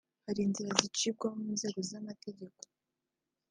Hari inzira zicibwamo mu nzego z’amategeko